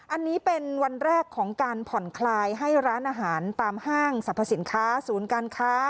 อันนี้เป็นวันแรกของการผ่อนคลายให้ร้านอาหารตามห้างสรรพสินค้าศูนย์การค้า